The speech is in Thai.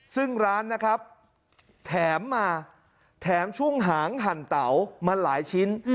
ซึ่งร้านนะครับแถมมาแถมช่วงหางหั่นเตามาหลายชิ้น